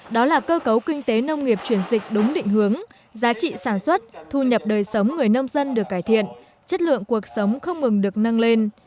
đó là cơ cấu kinh tế nông nghiệp chuyển dịch đúng định hướng giá trị sản xuất thu nhập đời sống người nông dân được cải thiện chất lượng cuộc sống không ngừng được nâng lên